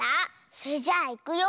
それじゃあいくよ。